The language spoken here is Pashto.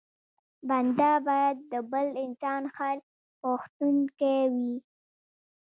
بنده بايد د بل انسان خیر غوښتونکی وي.